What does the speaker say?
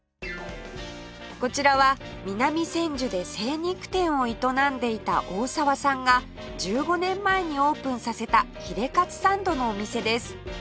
こちらは南千住で精肉店を営んでいた大澤さんが１５年前にオープンさせたヒレカツサンドのお店です